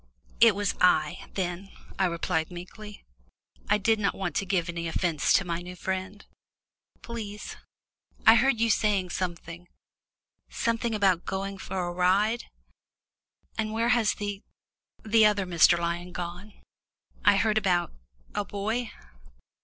"It was I, then," I repeated meekly. I did not want to give any offence to my new friend. "Please I heard you saying something something about going a ride. And where has the the other Mr. Lion gone? I heard about a boy."